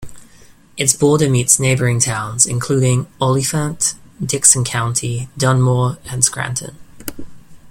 Its border meets neighboring towns, including: Olyphant, Dickson City, Dunmore, and Scranton.